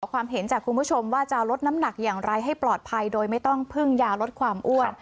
ความเห็นจากคุณผู้ชมว่าจะลดน้ำหนักอย่างไรให้ปลอดภัยโดยไม่ต้องพึ่งยาลดความอ้วน